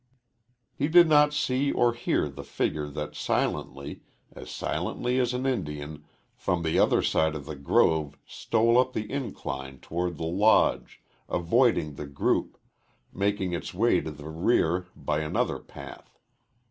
He did not see or hear the figure that silently as silently as an Indian from the other end of the grove stole up the incline toward the Lodge, avoiding the group, making its way to the rear by another path.